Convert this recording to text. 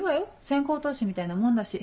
先行投資みたいなもんだし。